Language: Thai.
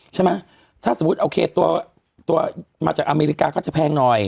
ใช่ไหมถ้าสมมุติโอเคตัวมาจากอเมริกาก็จะแพงหน่อย